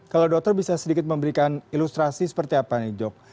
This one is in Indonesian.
kalau dokter bisa sedikit memberikan ilustrasi seperti apa nih dok